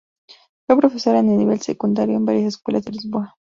Fue profesora en el nivel secundario en varias escuelas de Lisboa.